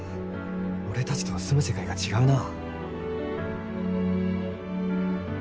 俺たちとは住む世界が違うな。